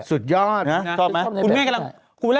สุดยอดชอบไหม